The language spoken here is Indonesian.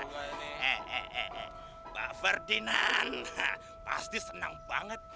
pak ferdinand pasti senang banget